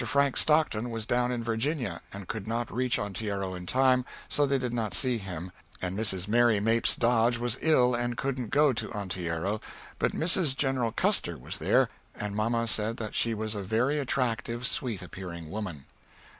Frank Stockton was down in Virginia and could not reach Onteora in time, so they did not see him, and Mrs. Mary Mapes Dodge was ill and couldn't go to Onteora, but Mrs. General Custer was there, and mamma said that she was a very attractive, sweet appearing woman.